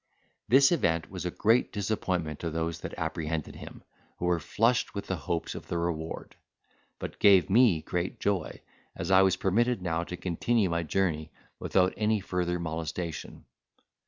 This event was a great disappointment to those that apprehended him, who were flushed with the hopes of the reward; but gave me great joy, as I was permitted now to continue my journey, without any further molestation.